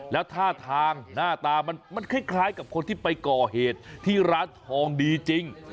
แล้วท่าทางหน้าตามันคล้ายกับคนที่ไปก่อเหตุที่ร้านทองดีจริง